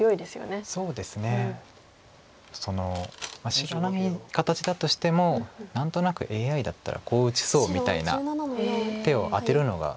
知らない形だとしても何となくＡＩだったらこう打ちそうみたいな手を当てるのがうまいといいますか。